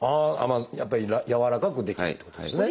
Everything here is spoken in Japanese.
やっぱりやわらかく出来てるってことですね。